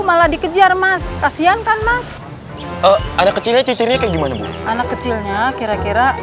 malah dikejar mas kasian kan mas ada kecilnya cucurnya kayak gimana bu anak kecilnya kira kira